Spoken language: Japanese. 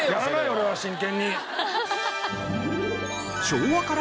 俺は真剣に。